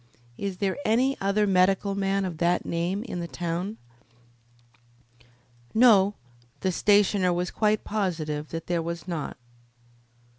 "Is there any other medical man of that name in the town?" No, the stationer was quite positive that there was not.